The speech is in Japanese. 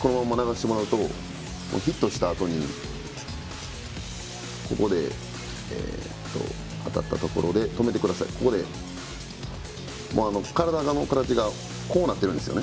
このまま流してもらうとヒットしたあとに、ここで当たったところで体の形がこうなってるんです。